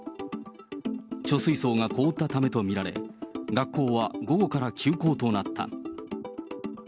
貯水槽が凍ったためと見られ、学校は午後から休校となった。